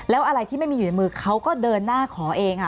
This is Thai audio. แล้วอะไรที่ไม่มีอยู่ในมือเขาก็เดินหน้าขอเอง